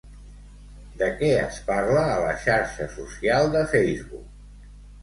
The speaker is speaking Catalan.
De què es parla a la xarxa social de Facebook?